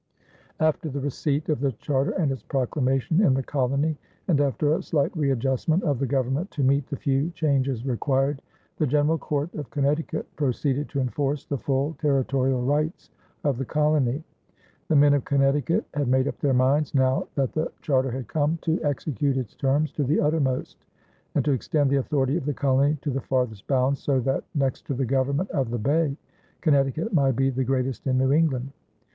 After the receipt of the charter and its proclamation in the colony and after a slight readjustment of the government to meet the few changes required, the general court of Connecticut proceeded to enforce the full territorial rights of the colony. The men of Connecticut had made up their minds, now that the charter had come, to execute its terms to the uttermost and to extend the authority of the colony to the farthest bounds, so that, next to the government of the Bay, Connecticut might be the greatest in New England.